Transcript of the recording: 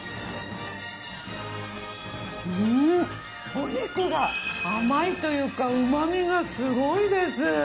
お肉が甘いというか旨みがすごいです。